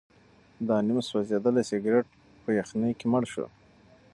دا نیم سوځېدلی سګرټ په یخنۍ کې مړ شو.